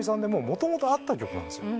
もともとあった曲なんですよ。